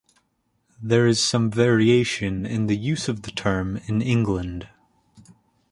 There is some variation in the use of the term in England.